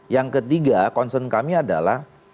yang ketiga concern kami adalah